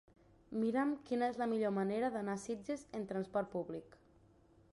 Mira'm quina és la millor manera d'anar a Sitges amb trasport públic.